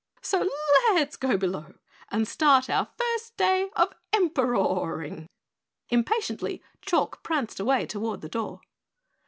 So let's go below and start our first day of emperoaring!" Impatiently Chalk pranced away toward the door.